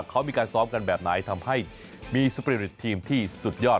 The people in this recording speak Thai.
เขามีการซ้อมกันแบบไหนทำให้มีสปริตทีมที่สุดยอด